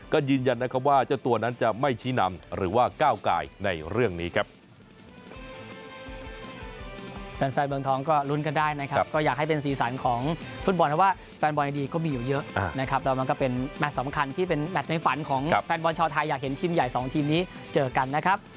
ก็ยืนยันนะครับว่าเจ้าตัวนั้นจะไม่ชี้นำหรือว่าก้าวกายในเรื่องนี้ครับ